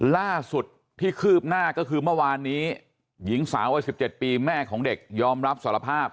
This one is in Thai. ล่าสุดที่คืบหน้าก็คือเมื่อวานนี้หญิงสาววัย๑๗ปีแม่ของเด็กยอมรับสารภาพ